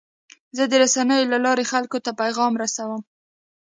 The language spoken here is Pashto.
زه د رسنیو له لارې خلکو ته پیغام رسوم.